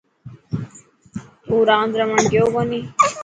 تون راند رهڻ گيو ڪوني؟